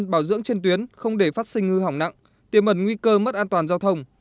bảo dưỡng trên tuyến không để phát sinh hư hỏng nặng tiêm ẩn nguy cơ mất an toàn giao thông